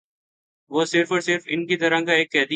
وہ صرف اور صرف ان کی طرح کا ایک قیدی ہے ا